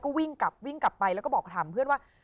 ก็วิ่งกลับไปแล้วก็บอกถามเพื่อนว่า